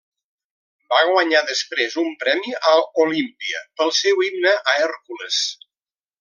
Va guanyar després un premi a Olímpia pel seu himne a Hèrcules.